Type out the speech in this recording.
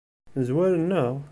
Zwaren-aɣ?